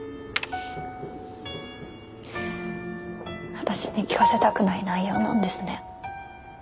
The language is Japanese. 私に聞かせたくない内容なんですね。